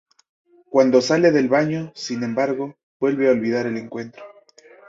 Cuando sale del baño, sin embargo, vuelve a olvidar el encuentro.